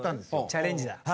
チャレンジだ。